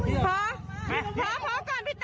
พี่ผมมาจัดที่ที่ละ